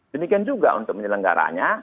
demikian juga untuk menyelenggaranya